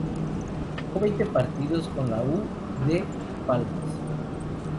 Jugó veinte partidos con la U. D. Las Palmas.